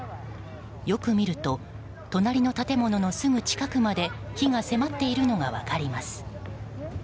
よく見ると隣の建物のすぐ近くまで火が迫っているのが分かります。